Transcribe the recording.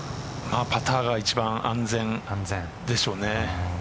パターが一番安全でしょうね。